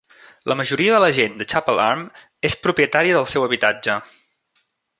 La majoria de la gent de Chapel Arm és propietària del seu habitatge.